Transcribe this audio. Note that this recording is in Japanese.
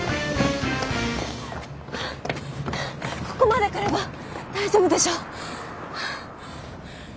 ここまで来れば大丈夫でしょ。